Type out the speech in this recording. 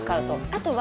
あとは。